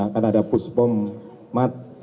kan ada pus pom mat